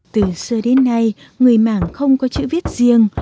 từ xưa đến nay người mảng không có chữ viết riêng